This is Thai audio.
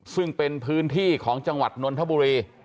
ซึ่งเป็นพื้นที่ของจังหวัดนนทบุรี